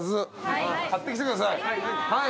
はい。